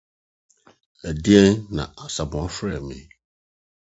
Dɛn na Asamoah frɛɛ me?